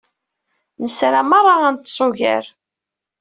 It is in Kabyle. Nesra meṛṛa ad neṭṭes ugar!